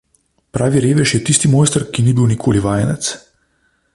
Pravi revež je tisti mojster, ki ni bil nikoli vajenec.